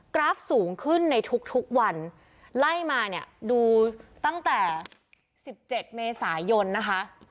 กราฟสูงขึ้นในทุกทุกวันไล่มาเนี่ยดูตั้งแต่สิบเจ็ดเมษายนนะคะ